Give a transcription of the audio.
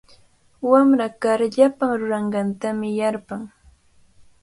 Wamra kar llapan ruranqantami yarpan.